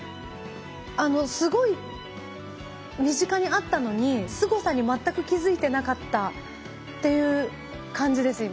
すごい身近にあったのにすごさに全く気付いてなかったっていう感じです今。